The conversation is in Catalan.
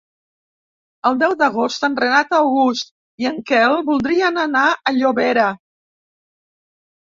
El deu d'agost en Renat August i en Quel voldrien anar a Llobera.